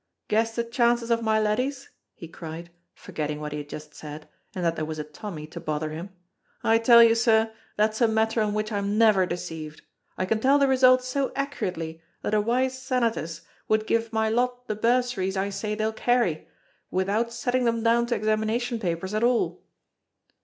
"Guess the chances of my laddies!" he cried, forgetting what he had just said, and that there was a Tommy to bother him. "I tell you, sir, that's a matter on which I'm never deceived, I can tell the results so accurately that a wise Senatus would give my lot the bursaries I say they'll carry, without setting them down to examination papers at all."